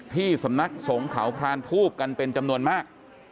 ที่สำนักสงฆ์เขาพรานทูบกันเป็นจำนวนมาก